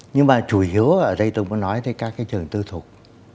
nhưng mà chủ yếu ở đây tôi muốn nói tới các cái trường tư thục